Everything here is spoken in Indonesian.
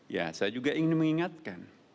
ya saya juga ingin mengingatkan